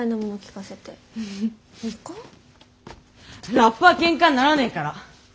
ラップはけんかにならねえから！